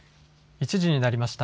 １時になりました。